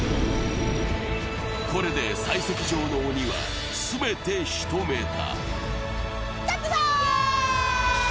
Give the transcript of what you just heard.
これで採石場の鬼は全てしとめた。